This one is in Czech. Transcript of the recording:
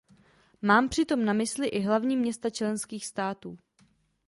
Mám přitom na mysli i hlavní města členských států.